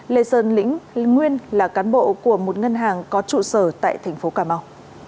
lê sơn lĩnh nguyên là cán bộ của một ngân hàng có trụ sở tại thành phố cà mau